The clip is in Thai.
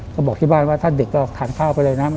ก็บอกที่บ้านว่าถ้าเด็กก็ทานข้าวไปเลยนะ